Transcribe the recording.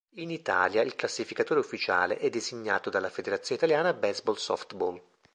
In Italia il classificatore ufficiale è designato dalla Federazione Italiana Baseball Softball.